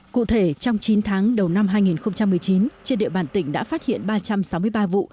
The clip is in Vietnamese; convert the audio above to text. cụ thể trong chín tháng đầu năm hai nghìn một mươi chín trên địa bàn tỉnh đã phát hiện ba trăm sáu mươi ba vụ